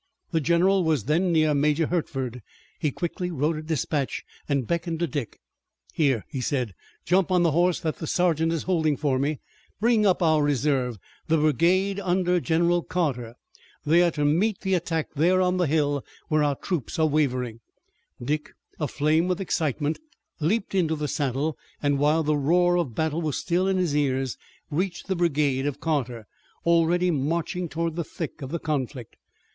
The general was then near Major Hertford. He quickly wrote a dispatch and beckoned to Dick: "Here," he said, "jump on the horse that the sergeant is holding for me, and bring up our reserve, the brigade under General Carter. They are to meet the attack there on the hill, where our troops are wavering!" Dick, aflame with excitement, leaped into the saddle, and while the roar of battle was still in his ears reached the brigade of Carter, already marching toward the thick of the conflict.